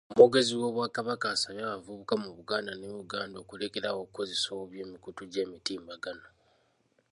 Omwogezi w'Obwakabaka asabye abavubuka mu Buganda ne Uganda okulekeraawo okukozesa obubi emikutu gy'emitimbagano.